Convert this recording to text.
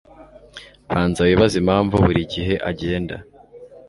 banza wibaze impamvu buri gihe agenda